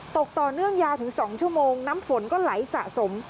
ตกต่อเนื่องยาวถึง๒ชั่วโมงน้ำฝนก็ไหลสะสม